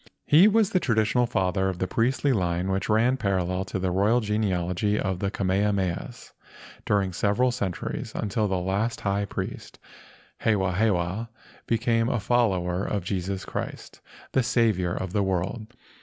He was the tradi¬ tional father of the priestly line which ran parallel to the royal genealogy of the Kamehamehas during several centuries until the last high priest, Hewahewa, became a follower of Jesus Christ— the Saviour of the world.